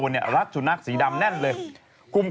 เอาอีกแล้วเหรอค่ะ